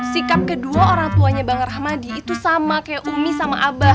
sikap kedua orang tuanya bang rahmadi itu sama kayak umi sama abah